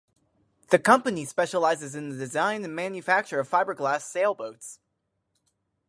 The company specializes in the design and manufacture of fiberglass sailboats.